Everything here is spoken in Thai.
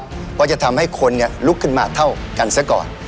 เพราะจะทำให้คนลุกขึ้นมาเท่ากันซะก่อน